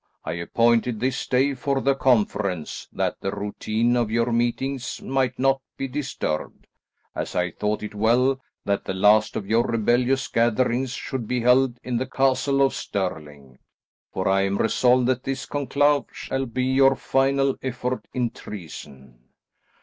I appointed this day for the conference that the routine of your meetings might not be disturbed, as I thought it well that the last of your rebellious gatherings should be held in the Castle of Stirling, for I am resolved that this conclave shall be your final effort in treason.